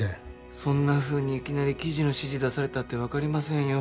そんなふうにいきなり生地の指示出されたって分かりませんよ